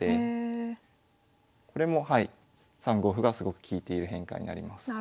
これも３五歩がすごく利いている変化になります。